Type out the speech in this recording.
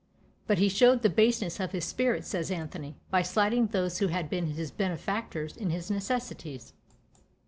But he showed the baseness of his spirit, says Anthony, by slighting those who had been his benefactors in his necessities.